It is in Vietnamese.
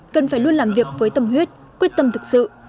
cần phải luôn làm việc với tâm huyết quyết tâm thực sự